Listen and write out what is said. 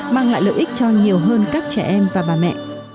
mang lại lợi ích cho nhiều hơn các trẻ em và bà mẹ